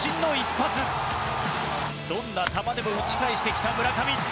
どんな球でも打ち返してきた村上。